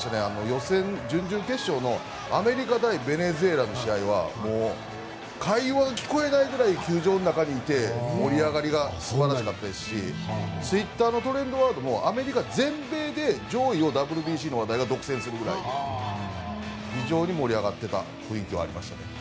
予選、準々決勝のアメリカ対ベネズエラの試合は会話が聞こえないぐらい盛り上がりが素晴らしかったですしツイッターのトレンドワードもアメリカ全米で上位をＷＢＣの話題が独占するくらい非常に盛り上がっていた雰囲気はありましたね。